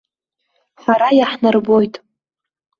Ҳара иаҳнарбоит.